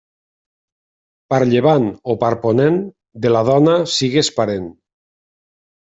Per llevant o per ponent, de la dona sigues parent.